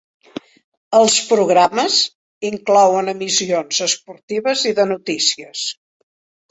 Els programes inclouen emissions esportives i de notícies.